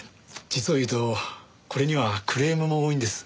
実を言うとこれにはクレームも多いんです。